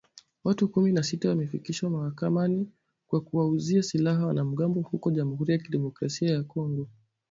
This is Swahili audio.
Watu kumi na sita wamefikishwa mahakamani kwa kuwauzia silaha wanamgambo huko Jamuhuri ya Kidemokrasia ya Kongo